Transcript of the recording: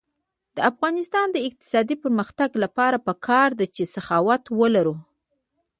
د افغانستان د اقتصادي پرمختګ لپاره پکار ده چې سخاوت ولرو.